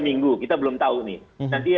minggu kita belum tahu nih nanti